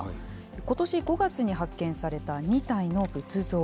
ことし５月に発見された２体の仏像。